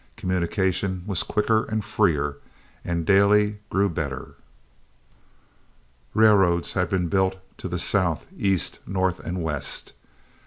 Communication was quicker and freer, and daily grew better. Railroads had been built to the South, East, North, and West.